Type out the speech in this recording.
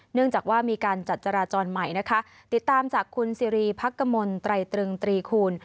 เนื่องจากว่ามีการจัดจราจรใหม่นะคะติดตามจากคุณสิริพักกมลไตรตรึงตรีคูณ